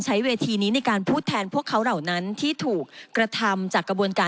ใช้เวทีนี้ในการพูดแทนพวกเขาเหล่านั้นที่ถูกกระทำจากกระบวนการ